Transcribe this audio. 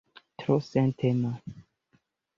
Tro sentema.